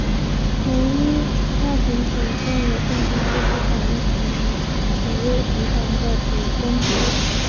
统一药品股份有限公司是统一企业集团的子公司。